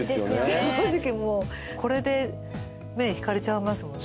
正直もうこれで目引かれちゃいます。